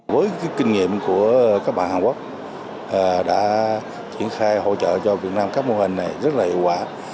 với kinh nghiệm của các bạn hàn quốc đã triển khai hỗ trợ cho việt nam các mô hình này rất là hiệu quả